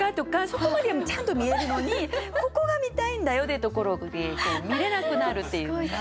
そこまではちゃんと見えるのにここが見たいんだよってところで見れなくなるっていうのが。